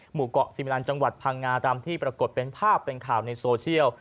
หมู่เกาะซีมิลันจังหวัดพังงาตามที่ปรากฏเป็นภาพเป็นข่าวในโซเชียล